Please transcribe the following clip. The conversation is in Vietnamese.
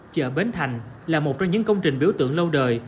chợ bến thành là một trong những công trình biểu tượng lâu đời